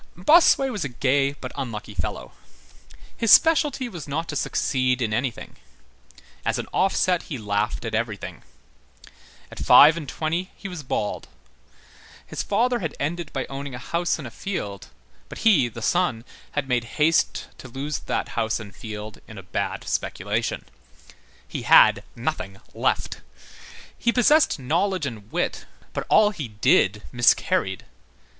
Bossuet was a gay but unlucky fellow. His specialty was not to succeed in anything. As an offset, he laughed at everything. At five and twenty he was bald. His father had ended by owning a house and a field; but he, the son, had made haste to lose that house and field in a bad speculation. He had nothing left. He possessed knowledge and wit, but all he did miscarried.